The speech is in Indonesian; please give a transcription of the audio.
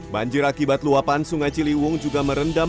banjir akibat luapan sungai ciliwung juga merendam